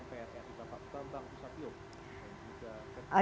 melanyangkan bahwa dpr mpr ini adalah satu dari beberapa pimpinan yang akan diperlukan